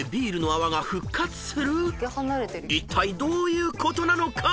［いったいどういうことなのか？］